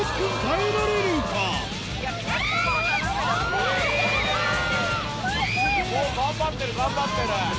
おぉ頑張ってる頑張ってる。